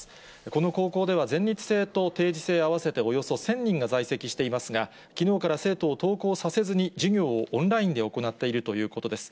この高校では、全日制と定時制合わせておよそ１０００人が在籍していますが、きのうから生徒を登校させずに、授業をオンラインで行っているということです。